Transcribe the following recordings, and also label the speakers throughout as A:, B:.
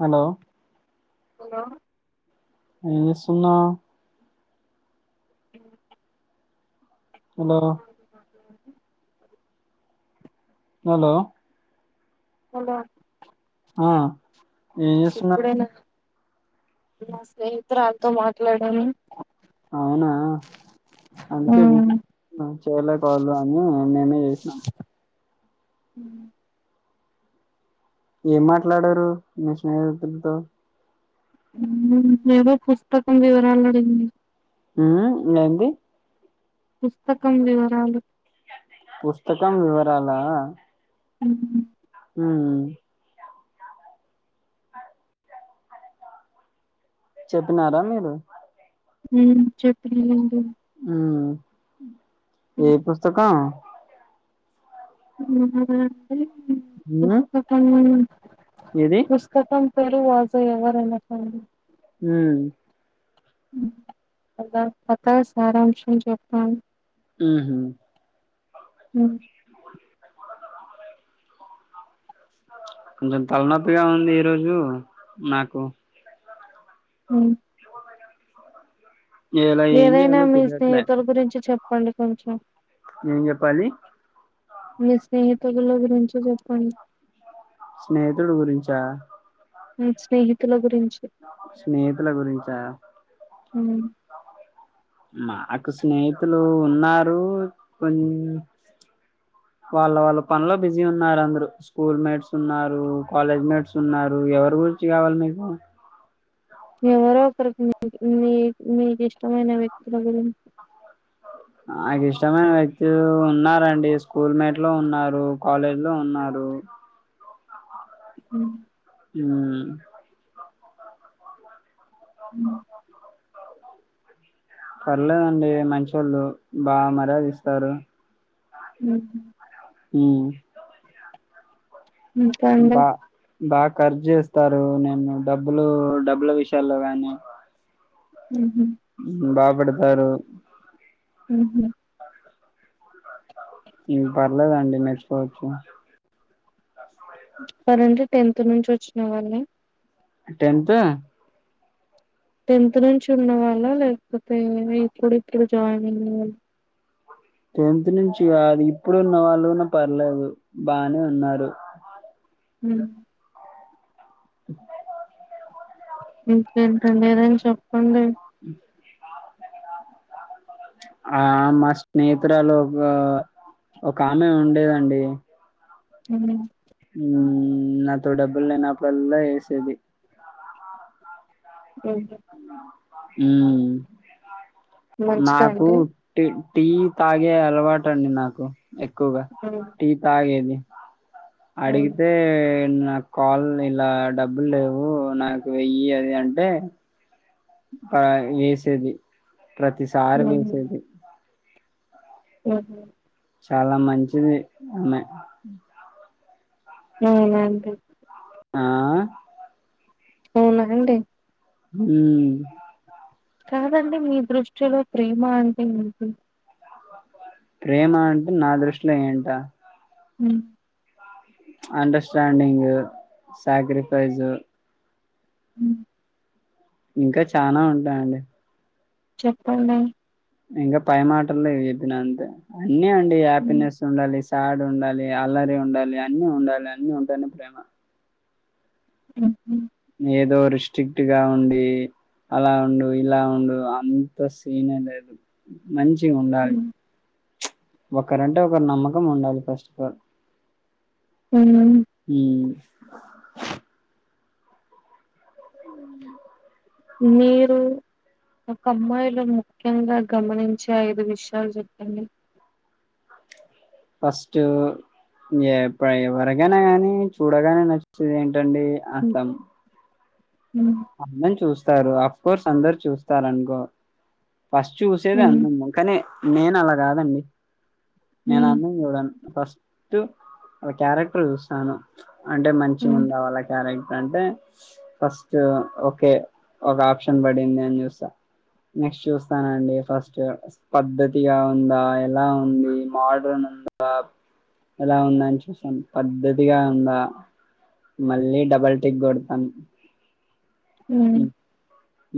A: Hello
B: hello
A: ఏం చేస్తున్నవ్
B: అ
A: హలో హలో
B: హలో
A: ఆ ఏం చేస్తున్నారు
B: ఇప్పుడైనా నా స్నేహితురాతో మాట్లాడాను
A: అవునా అందుకే చేయలేదు వాళ్ళు అని మేమే చేసినాం
B: హ్మ్
A: ఏం మాట్లాడరు మీ స్నేహితులతో
B: హ్మ్ ఏదో పుస్తకం వివరాలు అడిగింది
A: హ్మ్ ఇంగ ఏంది
B: పుస్తకం వివరాలు
A: పుస్తకం వివరాలా
B: ఉ
A: అ చెప్పినారా మీరు
B: హ్మ్ చెప్పినినండి
A: అ ఏ పుస్తకం
B: [unintelligible]
A: ఉమ్
B: పుస్తకం
A: ఏది
B: పుస్తకం ధర్వాజ ఎవరు [unintelligible]
A: హ్మ్
B: అలా కథ సారాంశం చెప్పాను
A: హ్మ్ హు
B: హ్మ్
A: కొంచం తలనొప్పిగా ఉంది ఈ రోజు నాకు
B: ఉ
A: ఇలా ఏం
B: ఏదైనా
A: చేయాలో
B: మీ
A: తెలియట్లే
B: స్నేహితుల గురించి చెప్పండి కొంచం
A: ఏం చెప్పాలి
B: మీ స్నేహితులో గురించి చెప్పండి
A: స్నేహితుడు గురించా
B: హ్మ్ స్నేహితుల గురిం
A: స్నేహితుల గురించా
B: హ్మ్
A: మాకు స్నేహితులు ఉన్నారు కొన్ వాళ్ళ వాళ్ళ పనిలో బిజీ ఉన్నారు అందరు స్కూల్ మేట్స్ ఉన్నారు కాలేజ్ మేట్స్ ఉన్నారు ఎవరు [unintelligible] కావాలి మీకు
B: ఎవరో ఒకరికి మీ మీకి ఇష్టమైన వ్యక్తుల గురి
A: నాకు ఇష్టమైన వ్యక్తులు ఉన్నరండి స్కూల్ మేట్ లో ఉన్నారు కాలేజ్ లో ఉన్నారు డు
B: హ
A: హ్మ్
B: హ్మ్
A: పర్లేదండి మంచి వాళ్ళు బాగా మర్యాదస్తారు
B: అ
A: హ్మ్
B: ఇంకా అండి
A: బా బా ఖర్చేస్తారు నేను డబ్బులు డబ్బుల విషయాల్లో గానీ బా పెడతారు
B: ఉహు
A: ఇంక పర్లేదండి మెర్చుకోవచ్చు
B: వారంటే టెన్త్ నుంచి వచ్చిన వాళ్లే
A: టెన్త్
B: టెన్త్ నుంచి ఉన్న వాళ్ళా లేకపోతే ఇప్పుడు ఇప్పుడు జాయిన్ అయిన వాళ్ళ
A: టెన్త్ నుంచిగాదు ఇప్పుడు ఉన్న వాళ్ళుగునా పర్లేదు బానే ఉన్నారు అ
B: హ్మ్మ్ ఇంకేంటండి ఏదైనా చెప్పండి
A: అ ఆ మా స్నేహితురాలు ఒక ఒక ఆమె ఉండేదండి
B: హ్మ్మ్
A: ఉ నాతో డబ్బులు లేనప్పుడల్లా వేసేది
B: ఉహు
A: ఉమ్
B: మంచిదా
A: నాకు
B: అండి
A: టి టీ తాగే అలవాటు అండి నాకు ఎక్కువగా టీ తాగేది అడిగితే నా నాకు కాల్ ఇలా డబ్బులు లేవు నాకు వెయ్యి అది అంటే వేసేది ప్రతిసారి వేసేది
B: ఉహు
A: చాలా మంచిది ఆమె
B: అవునా అండి
A: ఆ
B: అవునా అండి
A: ఉమ్
B: కాదండి మీ దృష్టిలో ప్రేమ అంటే ఏంటి
A: ప్రేమ అంటే నా దృష్టిలో ఏంట
B: ఉమ్
A: అండర్స్టాడింగు సాక్రిఫైస్
B: ఉ
A: ఇంకా చానా ఉంటాయండి
B: చెప్పండి
A: ఇంకా పై మాటల్లో చెప్పినా అంతే అన్నీ అండి హ్యాపీనెస్ ఉండాలి సాడ్ ఉండాలి అల్లరే ఉండాలి అన్నీ ఉండాలి అన్నీ ఉంటానే ప్రేమ
B: ఉహు
A: ఏదో రిస్ట్రిక్ట్ గా ఉండి అలా ఉండు ఇలా ఉండు అంత సీనే లేదు మంచి ఉండాలి ఒకరంటే ఒకరు నమ్మకం ఉండాలి ఫస్ట్ ఆఫ్ ఆల్ ఉమ్
B: మీరు ఒక అమ్మాయిలో ముఖ్యంగా గమనించే ఐదు విషయాలు చెప్పండి
A: ఫస్ట్ ఎప్పు ఎవరికైనా గాని చూడగానే నచ్చేది ఏంటండి అందం
B: మ్మ్
A: అందం చూస్తారు అఫ్ కోర్స్ అందరు చూస్తారనుకో ఫస్ట్ చూసేది
B: మ్మ్
A: అందం కానే నేను అలా కాదండి నేను
B: మ్మ్
A: అందం చూడను ఫస్ట్ వాళ్ళ క్యారెక్టర్ చూస్తాను అంటే మంచిగా
B: మ్మ్
A: ఉందా వాళ్ళ క్యారెక్టర్ అంటే ఫస్ట్ ఒకే ఒక ఆప్షన్ పడింది అని చూస్తా నెక్స్ట్ చూస్తానండి ఫస్ట్ పద్ధతిగా ఉందా ఎలా ఉంది మోడ్రన్ ఉందా ఎలా ఉందా అని చూస్సాం పద్ధతిగా ఉందా మళ్ళీ డబల్ టిక్ గొడతాం.
B: ఉమ్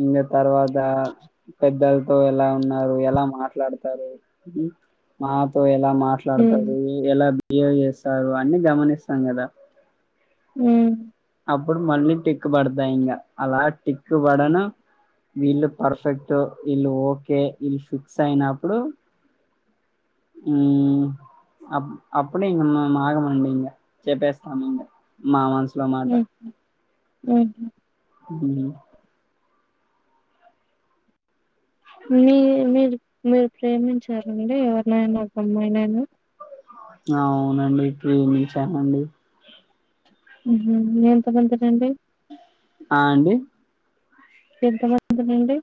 A: ఇంగ తర్వాత పెద్దల్తో ఎలా ఉన్నారు ఎలా మాట్లాడతారు? మాతో ఎలా
B: మ్మ్
A: మాట్లాడతారు ఎలా బిహేవ్ చేస్తారు అన్ని గమనిస్తాం కదా
B: ఉమ్
A: అప్పుడు మళ్ళీ టిక్కు పడతాయి ఇంకా అలా టిక్కు పడన వీళ్ళు పర్ఫెక్ట్ వీళ్లు ఓకే వీళ్లు ఫిక్స్ అయినప్పుడు ఉమ్ అప్పుడు ఇంగ మేమాగము మండి ఇంగ చెపేస్తాము అంతే మా మ సులో మాట
B: ఊహు
A: ఉమ్
B: మీ మీరు మీరు ప్రేమించారండి ఎవర్నైనా ఒక అమ్మాయి నైనా
A: అవునండి ప్రేమించానండి
B: ఎంత బంతరండి
A: ఆ అండి
B: ఎంత మందిని అండి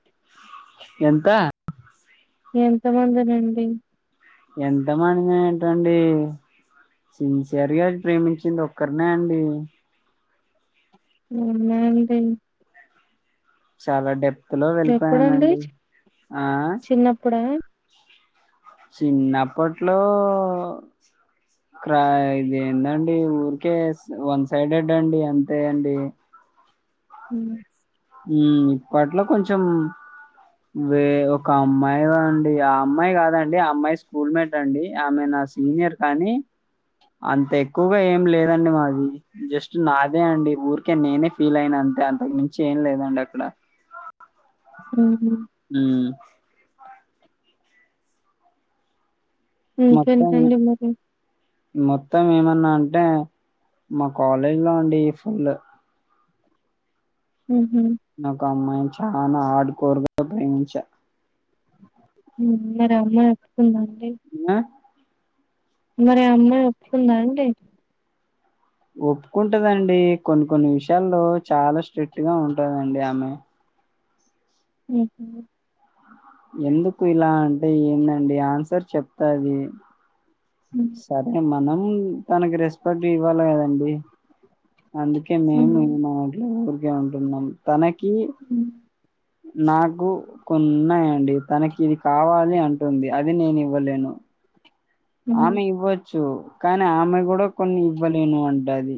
A: ఎంత
B: ఎంత మందినండి
A: ఎంత మందినేటండి సిన్సియర్గా ప్రేమించింది ఒక్కర్నే అండి
B: అవునా అండి
A: చాలా డెప్త్ లో
B: ఎప్పుడండి
A: వెళ్ళిపోయానండి ఆ
B: చిన్నప్పుడా
A: చిన్నప్పట్లో ర ఇది ఏందండి ఊరికే వన్ సైడెడ్ అండి అంతే అండి
B: అవునా
A: ఉమ్ ఇప్పట్లో కొంచం వే ఒక అమ్మాయి వే అండి ఆ అమ్మాయి కాదండి ఆ అమ్మాయి స్కూల్ మేట్ అండి ఆమె నా నా సీనియర్ కానీ అంత ఎక్కువగా ఏం లేదండి మాది జస్ట్ నాదే అండి ఊరికే నేనే ఫీల్ అయినా అంటే అంతకు మించి ఏం లేదండి అక్కడ
B: హు
A: ఉమ్ మొత్తం
B: ఇంకేంటండి మరి
A: మొత్తం ఏమన్నా అంటే మా కాలేజ్ లో అండి ఫుల్
B: మ్మ్ హు
A: నాకు అమ్మాయిని చాలా ఆడ్కోరుగా ప్రేమించా.
B: ఉమ్ మరి అమ్మ ఒప్పుకుందా అం
A: ఆ
B: మరి ఆ అమ్మాయి ఒప్పుకుందా అండి.
A: ఒప్పుకుంటదండి కొన్ని కొన్ని విషయాల్లో చాలా స్ట్రిక్ట్ గా ఉంటదండి ఆమె
B: ఊహు
A: ఎందుకు ఇలా అంటే ఏందండి ఆన్సర్ చెప్తాది.
B: హ్మ్.
A: సరే మనం తనకి రెస్పెక్ట్ ఇవ్వాలి కదా అందుకే మేము
B: హ్మ్.
A: మాట్లో ఊరికే ఉంటున్నాం తనకి
B: హ్మ్.
A: నాకు కొన్ని ఉన్నాయండి తనకి ఇది కావాలి అంటుంది అది నేను ఇవ్వలేను.
B: హ్మ్.
A: ఆమె ఇవ్వోచ్చు కానీ ఆమె కూడా కొన్ని ఇవ్వలేను అంటది.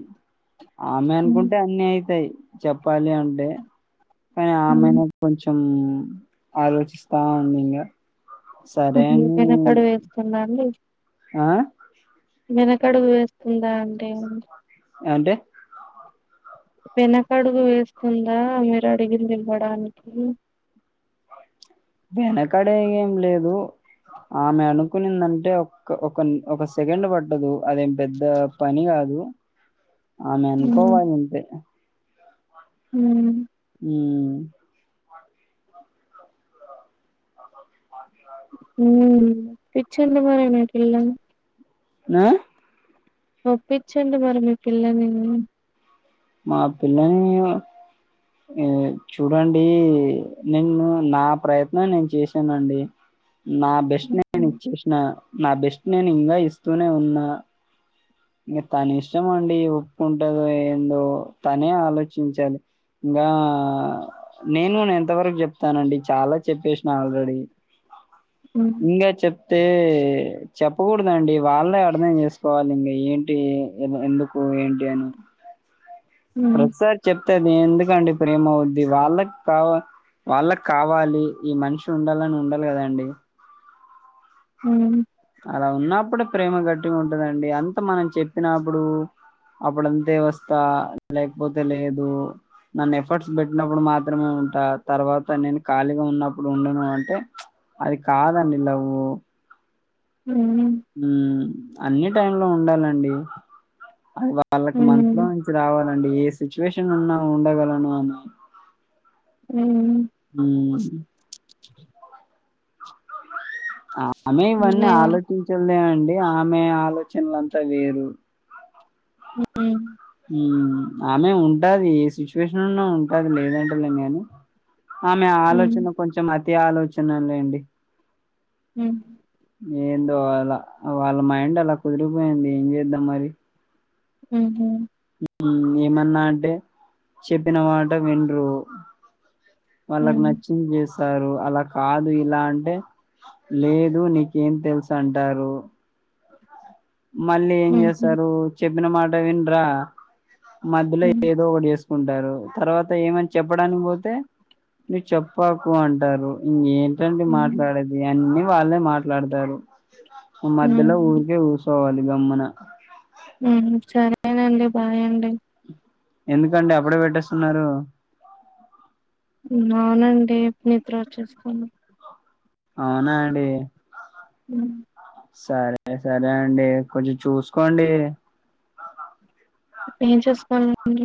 A: ఆమె
B: హ్మ్.
A: అనుకుంటే అన్నీ ఐతాయ్ చెప్పాలి అంటే కానీ
B: హ్మ్.
A: ఆమెనే కొంచ్ కొంచెం ఆలోచిస్తా ఉంది ఇంగా
B: హుహు.
A: సరేని
B: వెనకడుగు వేస్తుందా అండి
A: ఆ
B: వెనకడుగు వేస్తుందా అండి
A: అంటే
B: వెనకడుగు వేస్తుందా మీరు అడిగింది ఇవ్వడానికి
A: ఏమైంది వెనకడే ఏం లేదు ఆమె అనుకునిందంటే ఒక ఒక ఒక సెకండ్ పటదు అదేం పెద్ద పని కాదు నువ్వే అనుకోవాలి అంతే
B: ఉ
A: ఉ
B: ఉ ఇచ్చిండు మరి నాకుఎల
A: ఆ
B: ఒప్పించండి మరి మీ పిల్లని
A: మాపిల్ల ని చూడండి నేన్ను నా ప్రయత్నం నేను చేసానండి నా బెస్ట్ నేను
B: హుహు.
A: ఇచ్చేసిన నా బెస్ట్ నేను ఇంకా ఇస్తూనే ఉన్నా ఇంకా తన ఇష్టం అండి ఒప్పుకుంటాందో ఏందో తనే ఆలోచించాలి ఇంకా నేను ఎంత వరకు చెప్తానండి చాలా చెప్పేసిన ఆల్రెడీ
B: హ్మ్.
A: ఇకా చెప్తే చెప్ చెప్పకూడదండి వాళ్ళే అర్థం చేసుకోవాలి ఇంక ఏంటి ఎందుకు ఏంటి అని
B: హ్మ్.
A: ప్రతిసారి చెప్తది ఎందుకండి ప్రేమ అవుద్ది వాళ్ళకి కావలి వాళ్ళకి కావాలి ఈ మనిషి ఉండాలని ఉండాలి కదండి
B: ఉ
A: అలా ఉన్నప్పుడు ప్రేమ గట్టిగా ఉంటదండి అంత మనం చెప్పినప్పుడు అప్పుడఅంతే వస్తా లేకపోతే లేదు నన్న ఎఫర్ట్స్ పెట్టినప్పుడు మాత్రమే ఉంటా తర్వాత నేను ఖాళీగా ఉన్నప్పుడు ఉండను అంటే అది కాదండి డబ్బు
B: హ్మ్.
A: ఉ అన్ని టైమ్ లో ఉండాలండి అది
B: హ్మ్.
A: వాళ్ళకి మనసులో
B: హ్మ్.
A: నుంచి రావాలండి ఏ సిచ్యువేషన్ ఉన్నా ఉండగలను అని
B: ఉ
A: హ్మ్. ఆమె ఇవన్నీ
B: ఏమో
A: ఆలోచించలేదేమండి ఆమె ఆలోచనలంతా వేరు
B: ఉ
A: ఆమె ఉంటాది ఏ సిచ్యువేషన్న ఉంటాది లేదంటలే నేను ఆమె
B: హ్మ్.
A: ఆలోచన కొంచెం అతి ఆలోచన లేండి
B: ఉ
A: ఏందో అ వాళ్ళ మైండ్ అలా కుదిరిపోయింది ఏం చేద్దాం మరి
B: ఉ హు
A: ఏమన్నా అటే చెప్పిన మాట విండ్రు వాళ్ళకి
B: హ్మ్.
A: నచ్చంది చేస్తారు అలా కాదు ఇలా అంటే లేదు నీకేం తెలుసు అంటారు మళ్ళీ ఏం
B: హుహు.
A: చేస్తారు చెప్పిన మాట ఏంట్రా మధ్యలో
B: హ్మ్.
A: ఏదో ఒక చేసుకుంటారు చేసుకుంటారు తర్వాత ఏమని చెప్పడానికి పోతే ఇవి చెప్పాకు అంటారు ఇంకేం ఏంటే
B: హ్మ్.
A: మాట్లాడేది అన్ని వాళ్ళే మాట్లాడతారు మధ్యలో
B: హ్మ్.
A: ఊరికే ఊరుకోవాలి గమ్మున
B: ఉ హు సరేనండి బాయండి
A: ఎందుకండి అప్పుడే పెట్టేస్తున్నారు
B: అవునండి నిద్ర వచ్చేస్తుంది
A: అవునా అండి
B: ఉ
A: సరే సరే అండి కొంచెం చూసుకోండి
B: ఏం చేసుకోలండి